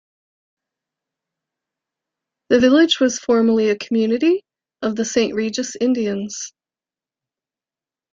The village was formerly a community of the Saint Regis Indians.